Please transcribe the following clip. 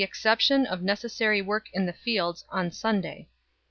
169 of necessary work in the fields, on Sunday 1